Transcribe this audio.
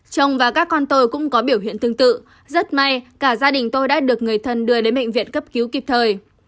chồng và các con tôi cũng có biểu hiện tương tự rất may cả gia đình tôi đã được người thân đưa đến bệnh viện cấp cứu kịp thời